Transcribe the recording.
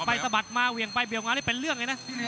สะบัดมาเหวี่ยงไปเหวี่ยงมานี่เป็นเรื่องเลยนะ